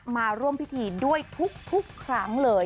มาร่วมพิธีด้วยทุกครั้งเลย